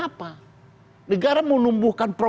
apakah itu bisa kestim asks anything